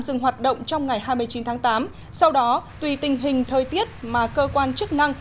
dừng hoạt động trong ngày hai mươi chín tháng tám sau đó tùy tình hình thời tiết mà cơ quan chức năng